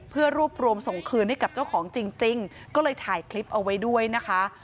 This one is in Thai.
เพื่อรวบรวมส่งคืนให้กับเจ้าของจริงก็เลยถ่ายคลิปเอาไว้ด้วยนะคะ